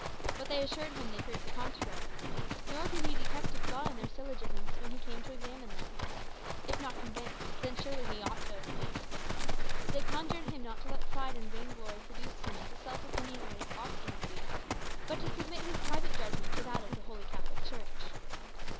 But they assured him they proved the contrary; nor could he detect a flaw in their syllogisms when he came to examine them. If not convinced, then surely he ought to have been. They conjured him not to let pride and vain glory seduce him into self opinionated obstinacy, but to submit his private judgment to that of the Holy Catholic Church.